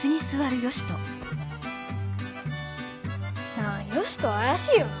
なあヨシトあやしいよな。